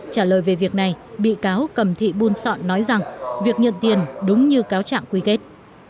trả lời về việc này bị cáo cầm thị buôn sọn nói rằng việc nhận tiền đúng như cáo trạng quy kết